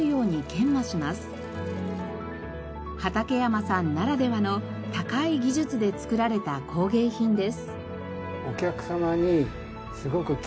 畠山さんならではの高い技術で作られた工芸品です。